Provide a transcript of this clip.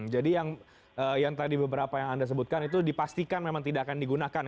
jadi yang tadi beberapa yang anda sebutkan itu dipastikan memang tidak akan digunakan